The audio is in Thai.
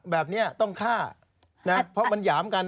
แบบนี้ต้องฆ่านะเพราะมันหยามกัน